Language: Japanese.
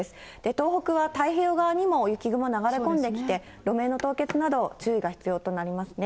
東北は太平洋側にも雪雲流れ込んできて、路面の凍結など、注意が必要となりますね。